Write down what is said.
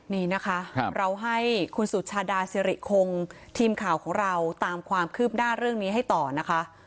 นี่นะคะเราให้คุณสุชาดาสิริคงทีมข่าวของเราตามความคืบหน้าเรื่องนี้ให้ต่อนะคะ